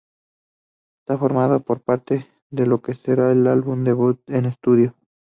Éste formará parte de lo que será su álbum debut en estudio.